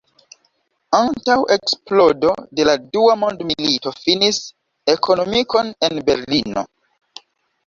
Antaŭ eksplodo de la dua mondmilito finis ekonomikon en Berlino.